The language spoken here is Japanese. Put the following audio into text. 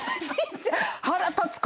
腹立つ顔。